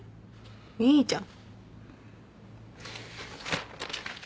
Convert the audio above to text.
いいじゃん。